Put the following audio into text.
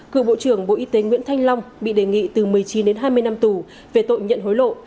cựu bộ trưởng bộ y tế nguyễn thanh long bị đề nghị từ một mươi chín đến hai mươi năm tù về tội nhận hối lộ